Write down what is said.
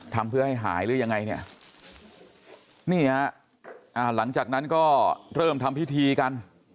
ทำเพื่อให้หายหรือยังไงเนี่ยนี่ฮะอ่าหลังจากนั้นก็เริ่มทำพิธีกัน